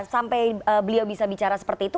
sampai beliau bisa bicara seperti itu